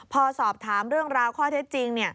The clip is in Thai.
พอสอบถามเรื่องราวข้อเท็จจริง